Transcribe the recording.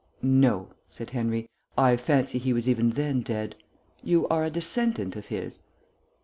"No," said Henry. "I fancy he was even then dead. You are a descendant of his?"